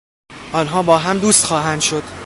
آنها با هم دوست خواهند شد.